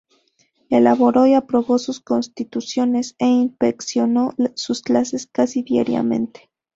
Elaboró y aprobó sus "Constituciones" e inspeccionó sus clases casi diariamente.